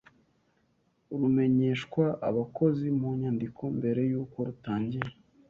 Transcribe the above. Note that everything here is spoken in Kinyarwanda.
rumenyeshwa abakozi mu nyandiko mbere y’uko rutangira